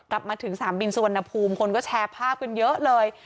กลับมาถึงสนามบินสุวรรณภูมิคนก็แชร์ภาพกันเยอะเลย